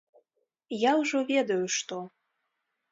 Я ўжо ведаю, што.